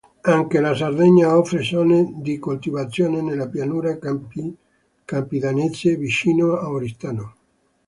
Anche la Sardegna offre zone di coltivazione, nella pianura campidanese vicino a Oristano.